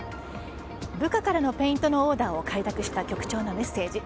部下からのペイントのオーダーを快諾した局長のメッセージ。